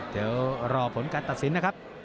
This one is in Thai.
เดี๋ยวรอผลการตัดสินนะครับ